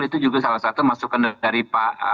itu juga salah satu masukkan dari pak